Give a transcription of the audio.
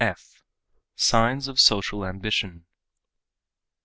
_(f) Signs of Social Ambition.